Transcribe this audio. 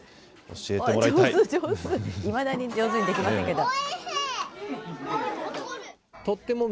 上手、上手、いまだに上手にできませんけれども。